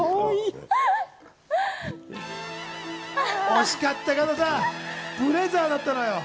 惜しかった加藤さん、ブレザーだったのよ。